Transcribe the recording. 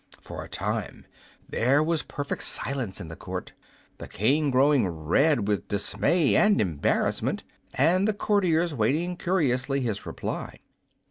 For a time there was perfect silence in the court, the King growing red with dismay and embarrassment and the courtiers waiting curiously his reply.